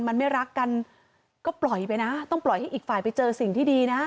มันไม่รักกันก็ปล่อยไปนะต้องปล่อยให้อีกฝ่ายไปเจอสิ่งที่ดีนะ